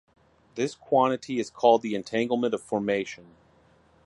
This quantity is called the entanglement of formation.